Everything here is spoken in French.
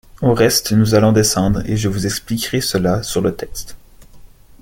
Au reste, nous allons descendre, et je vous expliquerai cela sur le texte.